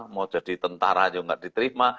mau jadi tentara aja nggak diterima